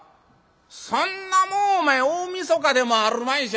「そんなもんお前大晦日でもあるまいし。